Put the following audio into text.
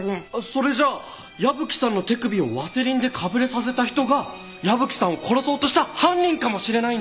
それじゃあ矢吹さんの手首をワセリンでかぶれさせた人が矢吹さんを殺そうとした犯人かもしれないんだ！